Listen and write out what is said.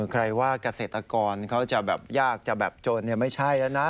ใครว่าเกษตรกรเขาจะแบบยากจะแบบโจรไม่ใช่แล้วนะ